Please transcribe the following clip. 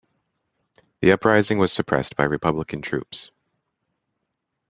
The uprising was suppressed by republican troops.